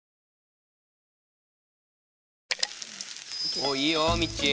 おいいよみっちー。